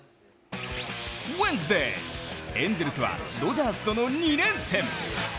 ウエンズデー、エンゼルスはドジャースとの２連戦。